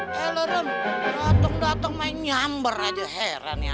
eh loren rotong rotong main nyamber aja heran ya